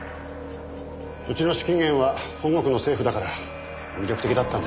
うちの資金源は本国の政府だから魅力的だったんでしょう。